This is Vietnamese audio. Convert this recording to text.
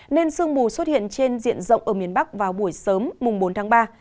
nên sương mù xuất hiện trên diện rộng ở miền bắc vào buổi sớm bốn tháng ba